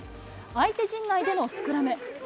相手陣内でのスクラム。